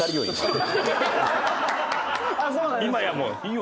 今やもう。